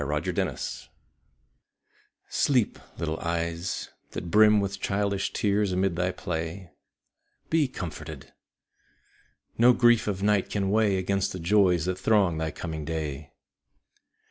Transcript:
Slumber Songs I Sleep, little eyes That brim with childish tears amid thy play, Be comforted! No grief of night can weigh Against the joys that throng thy coming day.